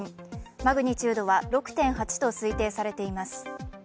マグニチュードは６．８と推定されています。